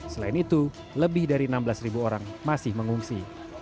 selain itu lebih dari enam belas orang masih mengungsi